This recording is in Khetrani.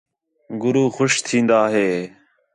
گُرو خوش تِھین٘دا ہِے